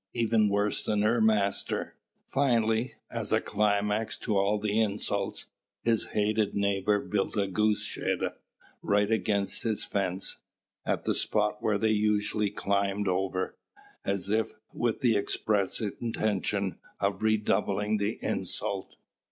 even worse than her master!" Finally, as a climax to all the insults, his hated neighbour built a goose shed right against his fence at the spot where they usually climbed over, as if with the express intention of redoubling the insult.